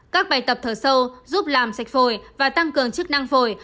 các bài tập thở sâu giúp làm sạch phổi và tăng cường chức năng phổi